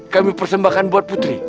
kami persembahkan buat putri